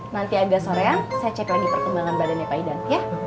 nanti agak sorean saya cek lagi perkembangan badannya pak idam ya